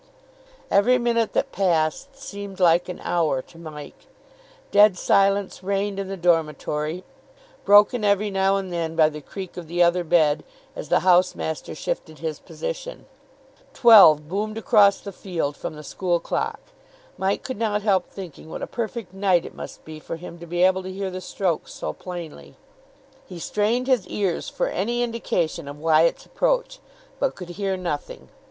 Every minute that passed seemed like an hour to Mike. Dead silence reigned in the dormitory, broken every now and then by the creak of the other bed, as the house master shifted his position. Twelve boomed across the field from the school clock. Mike could not help thinking what a perfect night it must be for him to be able to hear the strokes so plainly. He strained his ears for any indication of Wyatt's approach, but could hear nothing.